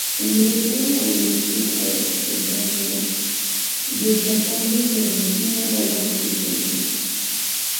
Ingresó en la milicia a temprana edad, destacando por su energía, valor e inteligencia.